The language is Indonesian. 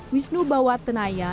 wisnu bawat tenaya